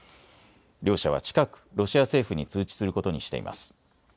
両社は近くロシア政府に通知することにしています。